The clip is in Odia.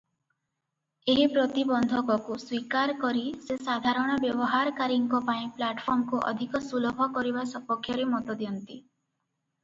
ଏହି ପ୍ରତିବନ୍ଧକକୁ ସ୍ୱୀକାର କରି ସେ ସାଧାରଣ ବ୍ୟବହାରକାରୀଙ୍କ ପାଇଁ ପ୍ଲାଟଫର୍ମକୁ ଅଧିକ ସୁଲଭ କରିବା ସପକ୍ଷରେ ମତଦିଅନ୍ତି ।